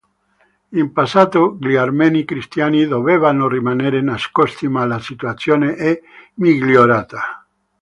In passato gli armeni cristiani dovevano rimanere nascosti ma la situazione è migliorata.